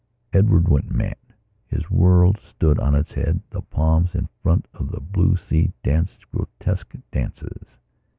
Edward went mad; his world stood on its head; the palms in front of the blue sea danced grotesque dances.